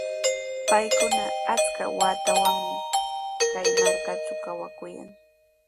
Paykuna achka watanami kay markatraw kawakuyan.